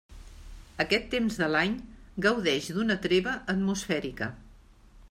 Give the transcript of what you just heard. Aquest temps de l'any gaudeix d'una treva atmosfèrica.